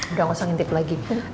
udah gak usah ngintip lagi ya